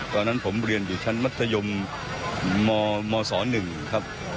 ตอนนั้นผมเรียนอยู่ชั้นมัธยมมศ๑ครับ